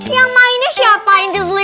yang mainnya siapa incizli